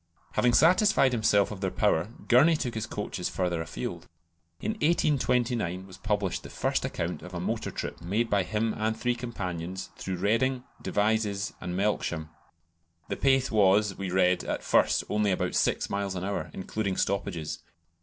Having satisfied himself of their power, Gurney took his coaches further afield. In 1829 was published the first account of a motor trip made by him and three companions through Reading, Devizes, and Melksham. The pace was, we read, at first only about six miles an hour, including stoppages.